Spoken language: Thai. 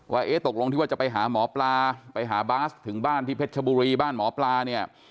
เอ๊ะตกลงที่ว่าจะไปหาหมอปลาไปหาบาสถึงบ้านที่เพชรชบุรีบ้านหมอปลาเนี่ย